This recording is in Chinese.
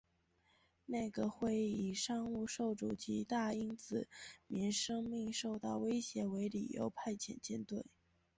内阁会议以商务受阻及大英子民生命受到威胁为理由派遣舰队。